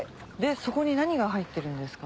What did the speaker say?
そこに何が入ってるんですか？